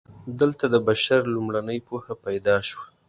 دلته د بشر لومړنۍ پوهه پیدا شوه.